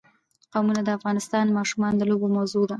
قومونه د افغان ماشومانو د لوبو موضوع ده.